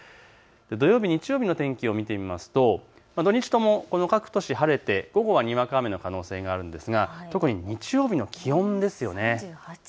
土曜日、日曜日の天気を見てみますと土日とも各都市、晴れて午後はにわか雨の可能性があるんですが特に日曜日の気温です。